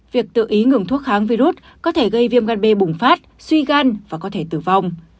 việc tự ý ngừng thuốc kháng virus có thể gây viêm gan b bùng phát suy gan và có thể tử vong